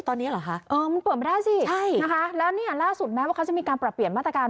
ตอนนี้เหรอคะเออมันเปิดไม่ได้สิใช่นะคะแล้วเนี่ยล่าสุดแม้ว่าเขาจะมีการปรับเปลี่ยนมาตรการ